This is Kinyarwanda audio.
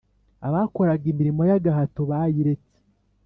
Abakoraga imirimo y’ agahato bayiretse.